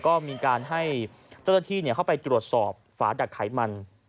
ก็มีการให้เจ้าหน้าที่เข้าไปตรวจสอบฝาดักไขมัน